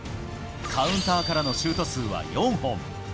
カウンターからのシュート数は４本。